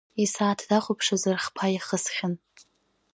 Исааҭ дахәаԥшызар хԥа иахысхьан.